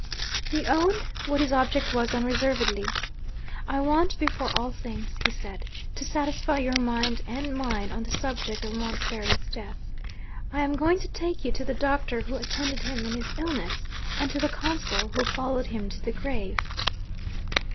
He owned what his object was unreservedly. 'I want, before all things,' he said, 'to satisfy your mind and mine, on the subject of Montbarry's death. I am going to take you to the doctor who attended him in his illness, and to the consul who followed him to the grave.'